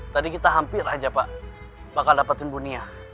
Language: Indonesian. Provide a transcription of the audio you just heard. tadi kita hampir aja pak bakal dapetin dunia